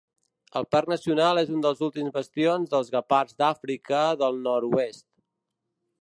El Parc Nacional és un dels últims bastions dels guepards d'Àfrica del nord-oest.